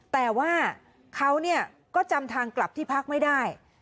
แต่ว่าเขาก็จำทางกลับที่พักไม่ได้